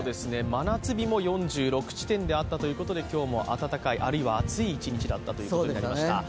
真夏日も４６地点であったということであるいは暑い一日だったということになりました。